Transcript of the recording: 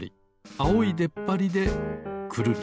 あおいでっぱりでクルリ。